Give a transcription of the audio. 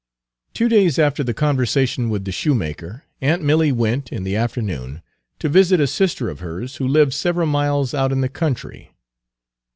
Two days after the conversation with the shoemaker, aunt Milly went, in the afternoon, to visit a sister of hers who lived several miles out in the country.